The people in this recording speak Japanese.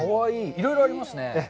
いろいろありますね。